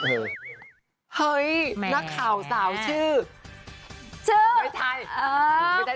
เห้ยแนักข่าวสาวชื่อ